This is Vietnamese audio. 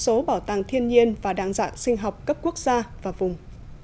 một số bảo tàng thiên nhiên và đa dạng sinh học cấp quốc gia và vùng